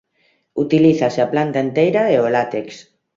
Utilízase a planta enteira e o látex.